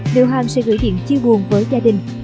điều hàng sẽ gửi điện chia buồn với gia đình